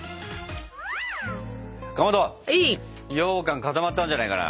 かまどようかん固まったんじゃないかな。